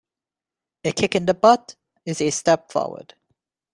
A kick in the butt is a step forward.